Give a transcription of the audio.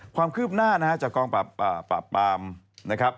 ความคืบหน้านะฮะจากกองปราบปามนะครับ